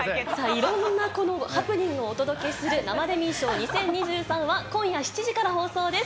いろんなハプニングをお届けする、生デミー賞２０２３は今夜７時から放送です。